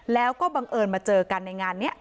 แล้วก็บังเอิญมาเจอกันในงานนี้